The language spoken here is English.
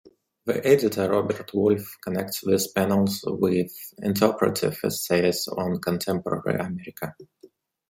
The editor, Robert Wolf, connects these panels with interpretive essays on contemporary America.